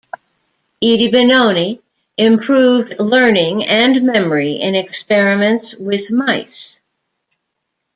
Idebenone improved learning and memory in experiments with mice.